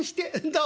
どう？